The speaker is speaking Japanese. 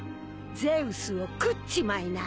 ゼウスを食っちまいな！